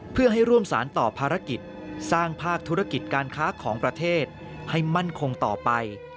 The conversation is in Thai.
เพื่อให้ร่วมสารต่อภารกิจสร้างภาคธุรกิจการค้าของประเทศให้มั่นคงต่อไป